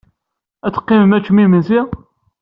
Ad teqqimem ad teččem imensi?